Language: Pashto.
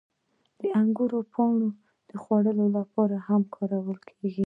• د انګورو پاڼې د خوړو لپاره هم کارېږي.